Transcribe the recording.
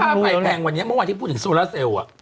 ค่าไฟแพงวันนี้เมื่อวานที่พูดถึงโซลาเซล